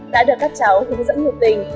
đã được các cháu hướng dẫn mùa tình